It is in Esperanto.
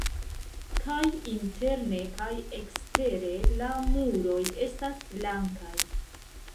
Kaj interne kaj ekstere la muroj estas blankaj.